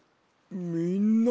みんな。